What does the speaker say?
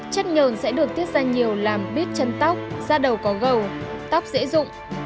chất nhờn sẽ được tiết ra nhiều làm bít chân tóc da đầu có gầu tóc dễ dụng